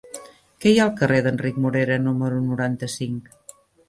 Què hi ha al carrer d'Enric Morera número noranta-cinc?